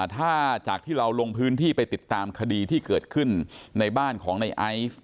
ถ้าจากที่เราลงพื้นที่ไปติดตามคดีที่เกิดขึ้นในบ้านของในไอซ์